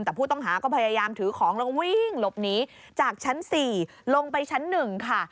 แต่ผู้ต้องหาก็พยายามถือของแล้วก็วิ่งหลบหนีจากชั้น๔ลงไปชั้น๑ค่ะ